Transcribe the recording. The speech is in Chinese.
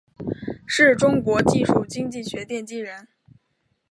是中国技术经济学奠基人。